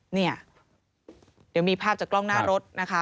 เนี่ยเดี๋ยวมีภาพจากกล้องหน้ารถนะคะ